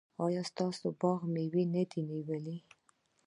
ایا ستاسو باغ مېوه نه ده نیولې؟